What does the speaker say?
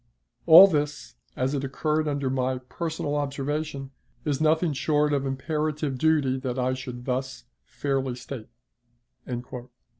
All this, as it occurred under my personal observation, it is nothing short of imperative duty that I should thus fairly state."